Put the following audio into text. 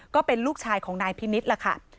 ก็เป็นลูกชายของนายพินิษฐ์ล่ะค่ะ